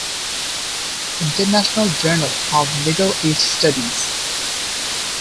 International journal of middle east studies.